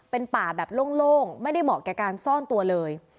เป็นป่าแบบโล่งไม่ได้เหมาะแก่การซ่อนตัวเลย